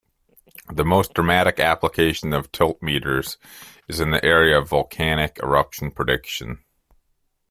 The most dramatic application of tiltmeters is in the area of volcanic eruption prediction.